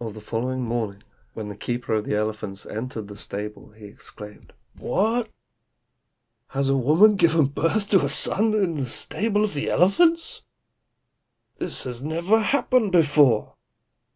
"On the following morning, when the keeper of the elephants entered the stable, he exclaimed, 'What! has a woman given birth to a son in the stable of the elephants? This never happened before.